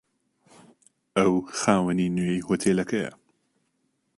ئەو خاوەنی نوێی هۆتێلەکەیە.